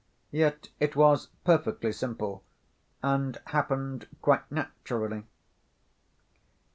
Yet it was perfectly simple and happened quite naturally.